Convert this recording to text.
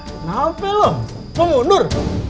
kenapa lo mundur